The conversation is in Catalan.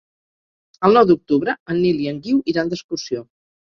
El nou d'octubre en Nil i en Guiu iran d'excursió.